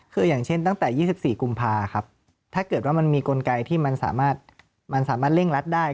คืออย่างเช่นตั้งแต่๒๔กุมภาครับถ้าเกิดว่ามันมีกลไกที่มันสามารถมันสามารถเร่งรัดได้